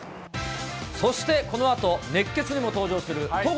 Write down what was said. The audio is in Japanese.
そしてこのあと、熱ケツでも登場する戸郷